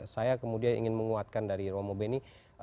saya kemudian ingin menguatkan dari romo beni